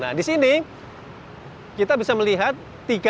nah di sini kita bisa melihat tiga periode yang berbeda